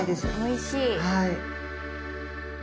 おいしい。